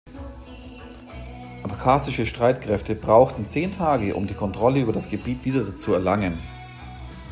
Abchasische Streitkräfte brauchten zehn Tage, um die Kontrolle über das Gebiet wieder zu erlangen.